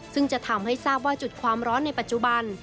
ซึ่งจะทำให้ทราบว่าจุดความร้อนในปัจจุบัน